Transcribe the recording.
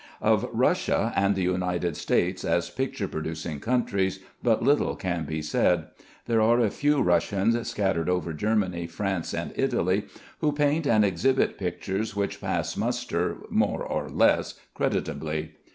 Of Russia and the United States as picture producing countries but little can be said. There are a few Russians scattered over Germany, France, and Italy, who paint and exhibit pictures which pass muster more or less creditably.